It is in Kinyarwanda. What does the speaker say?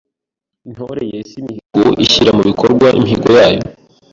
Intore yesa imihigo ishyira mu bikorwa imihigo yayo